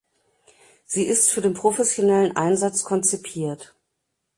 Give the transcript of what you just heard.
Sie ist für den professionellen Einsatz konzipiert.